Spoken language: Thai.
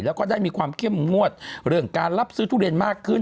แล้วก็ได้มีความเข้มงวดเรื่องการรับซื้อทุเรียนมากขึ้น